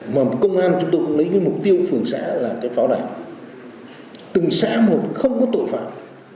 mà công an chúng tôi cũng lấy cái mục tiêu phường xã là cái pháo đài từng xã một không có tội phạm